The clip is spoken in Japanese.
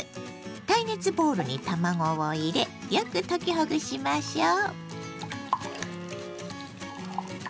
耐熱ボウルに卵を入れよく溶きほぐしましょう。